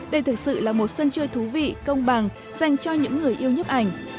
đây thực sự là một sân chơi thú vị công bằng dành cho những người yêu nhấp ảnh